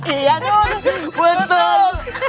iya tuh betul